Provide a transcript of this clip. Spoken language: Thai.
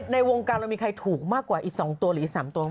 ในวงการเรามีใครถูกมากกว่าอีก๒ตัวหรืออีก๓ตัว